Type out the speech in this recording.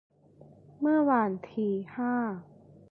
เมื่อวันที่ ห้า